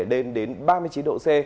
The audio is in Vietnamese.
đến đến ba mươi chín độ c